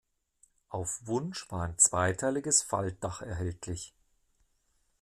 Auf Wunsch war ein zweiteiliges Faltdach erhältlich.